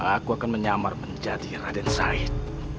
aku akan menyamar menjadi raden said